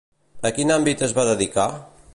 A quin àmbit es va dedicar?